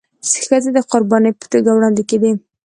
ښځي د قرباني په توګه وړاندي کيدي.